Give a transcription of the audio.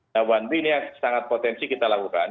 nah one way ini yang sangat potensi kita lakukan